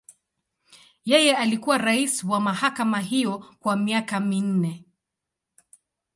Yeye alikuwa rais wa mahakama hiyo kwa miaka minne.